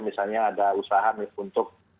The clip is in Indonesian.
misalnya ada usaha untuk